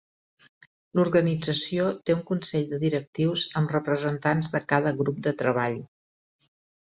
L'organització té un consell de directius amb representants de cada grup de treball.